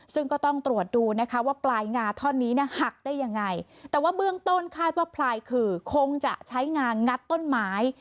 ซึ่งก็ต้องตรวจดูนะคะว่าปลายงาท่อนนี้เนี่ยหักได้ยังไงแต่ว่าเบื้องต้นคาดว่าพลายขื่อคงจะใช้งางัดต้นไม้